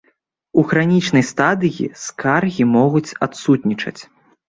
У хранічнай стадыі скаргі могуць адсутнічаць.